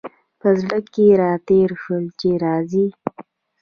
په زړه کي را تېر شول چي راځي !